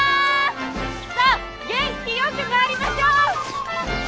さあ元気よく参りましょう！